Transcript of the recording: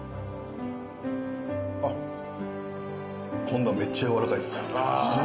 今度はめっちゃやわらかいっす。